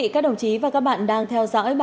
cảm ơn các bạn đã theo dõi